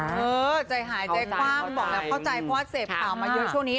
เออใจหายใจคว่างบอกแล้วเข้าใจเพราะว่าเสพข่าวมาเยอะช่วงนี้